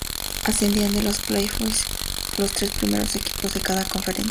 Accedían a los playoffs los tres primeros equipos de cada conferencia.